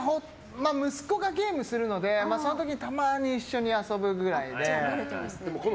息子がゲームするのでその時たまに一緒に遊ぶぐらいで。